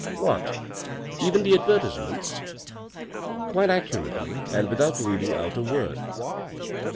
"What, even the advertisements?" " Quite accurately and without leaving out a word."